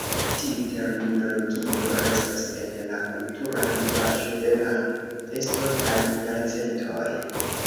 Tiu terminologio restos en la kultura lingvaĵo de la estontaj jarcentoj.